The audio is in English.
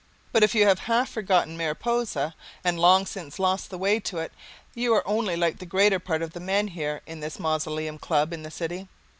But if you have half forgotten Mariposa, and long since lost the way to it, you are only like the greater part of the men here in this Mausoleum Club in the city.